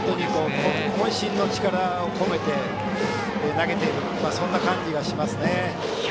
こん身の力を込めて投げているそんな感じがしますね。